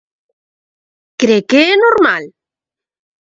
¿Cre que é normal?